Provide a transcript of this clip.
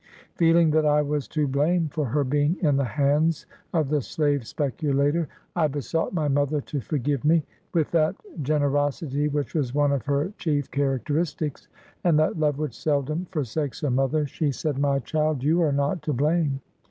Feeling that I was to blame for her being in the hands of the slave speculator, I besought my mother to forgive me. With that gene rosity which was one of her chief characteristics, and that love which seldom forsakes a mother, she said, — i My child, you are not to blame.